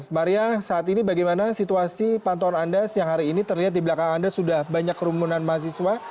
maria saat ini bagaimana situasi pantauan anda siang hari ini terlihat di belakang anda sudah banyak kerumunan mahasiswa